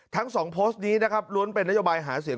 ทั้ง๒โพสต์นี้นะครับล้วนเป็นนโยบายหาเสียง